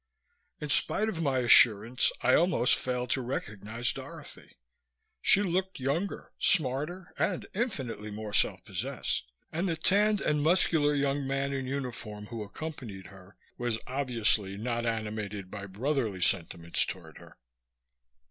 In spite of my assurance, I almost failed to recognize Dorothy. She looked younger, smarter and infinitely more self possessed, and the tanned and muscular young man in uniform who accompanied her was obviously not animated by brotherly sentiments toward her.